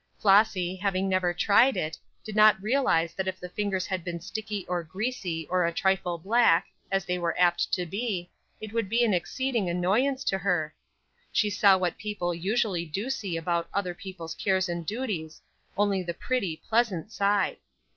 Flossy, having never tried it, did not realize that if the fingers had been sticky or greasy or a trifle black, as they were apt to be, it would be an exceeding annoyance to her. She saw what people usually do see about other people's cares and duties, only the pretty, pleasant side.